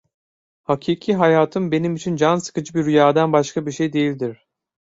Hakiki hayatım benim için can sıkıcı bir rüyadan başka bir şey değildir…